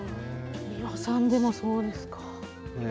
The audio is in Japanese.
美輪さんでもそうですか。